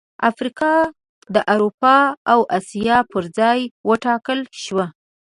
افریقا د اروپا او اسیا پر ځای وټاکل شوه.